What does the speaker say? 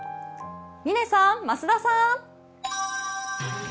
嶺さん、増田さん。